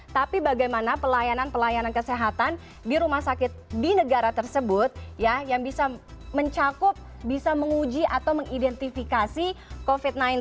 tapi bagaimana pelayanan pelayanan kesehatan di rumah sakit di negara tersebut yang bisa mencakup bisa menguji atau mengidentifikasi covid sembilan belas